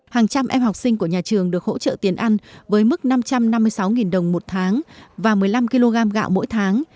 hàng trăm em học sinh của nhà trường được hỗ trợ tiền ăn với mức năm trăm năm mươi sáu đồng một tháng và một mươi năm kg gạo mỗi tháng